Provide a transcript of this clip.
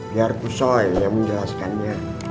biar ku soalnya menjelaskannya